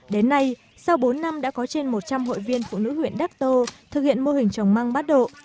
đến nay sau bốn năm đã có trên một trăm linh hội viên phụ nữ huyện đắc tô thực hiện mô hình trồng măng bát độ